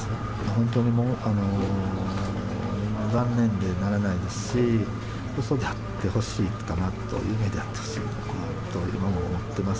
本当に残念でならないですし、うそであってほしいかなと、夢であってほしいかなと思って、今も思ってます。